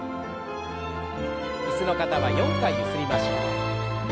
椅子の方は４回ゆすりましょう。